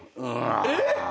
えっ！